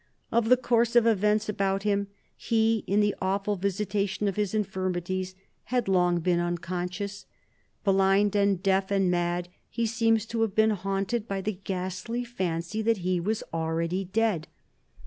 Of the course of events about him he, in the awful visitation of his infirmities, had long been unconscious. Blind and deaf and mad, he seems to have been haunted by the ghastly fancy that he was already dead.